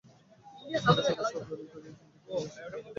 শত শত শতাব্দী ধরিয়া হিন্দু কেবল এই শিক্ষাই পাইয়াছে।